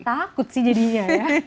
takut sih jadinya ya